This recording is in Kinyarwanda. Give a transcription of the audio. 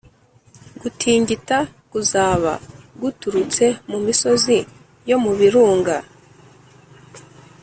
gutingita kuzaba guturutse mu misozi yomubirunga